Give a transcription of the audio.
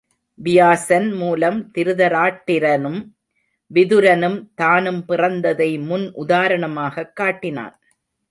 வியாசன் மூலம் திருதராட்டிரனும் விதுரனும் தானும் பிறந்ததை முன் உதாரணமாகக் காட்டினான்.